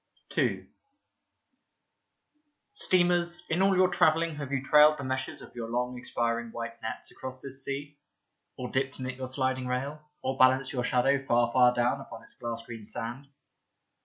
46 Leda II STEAMERS, in all your travelling have you trailed the meshes of your long expiring white nets across this sea, or dipped in it your sliding rail, or balanced your shadow far far down upon its glass green sand